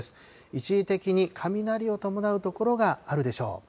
一時的に雷を伴う所があるでしょう。